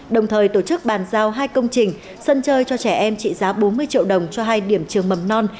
đồng thời tổ chức bàn giao hai công trình sân chơi cho trẻ em trị giá bốn mươi triệu đồng cho hai điểm trường mầm non